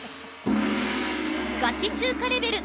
ガチ中華レベル１。